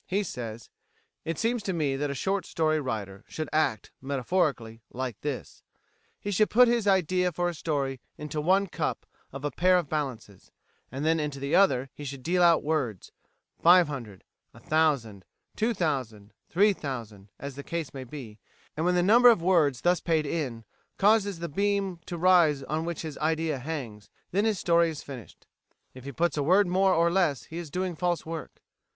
He says: "It seems to me that a short story writer should act, metaphorically, like this he should put his idea for a story into one cup of a pair of balances, then into the other he should deal out words five hundred, a thousand, two thousand, three thousand, as the case may be and when the number of words thus paid in causes the beam to rise on which his idea hangs, then his story is finished. If he puts a word more or less he is doing false work.